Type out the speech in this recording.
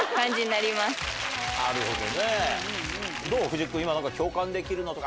なるほど。